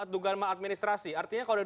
dugaan maadministrasi artinya kalau